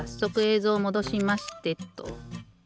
ぞうもどしましてと。